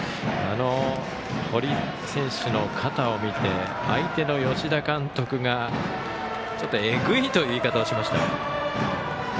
堀選手の肩を見て相手の吉田監督がちょっと、えぐいという言い方をしました。